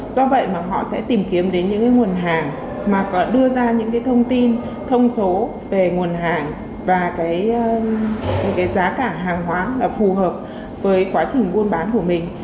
do vậy mà họ sẽ tìm kiếm đến những nguồn hàng mà có đưa ra những cái thông tin thông số về nguồn hàng và cái giá cả hàng hóa là phù hợp với quá trình buôn bán của mình